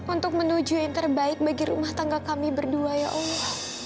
untuk menuju yang terbaik bagi rumah tangga kami berdua ya allah